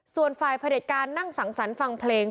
ส่วนฝ่ายผลิตการนั่งสังสรรค์ฟังเพลง